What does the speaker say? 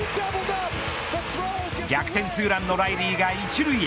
逆転２ランのライリーが一塁へ。